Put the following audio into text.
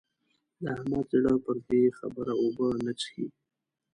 د احمد زړه پر دې خبره اوبه نه څښي.